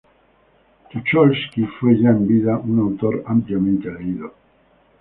Tucholsky fue ya en vida un autor ampliamente leído.